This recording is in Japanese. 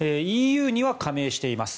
ＥＵには加盟しています。